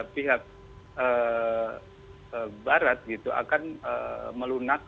pihak barat gitu akan melunak